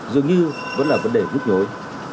dường như vẫn là vấn đề bút nhối